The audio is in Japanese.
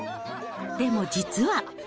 でも実は。